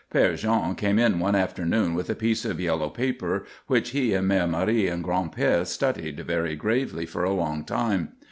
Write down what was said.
Père Jean came in one afternoon with a piece of yellow paper which he and Mère Marie and Gran'père studied very gravely for a long time.